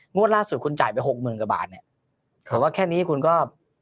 งวดล่าสุดคุณจ่ายไป๖๐๐๐๐กว่าบาทแต่ว่าแค่นี้คุณก็